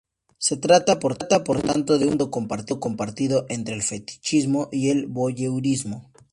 Se trata por tanto de un concepto compartido entre el fetichismo y el voyeurismo.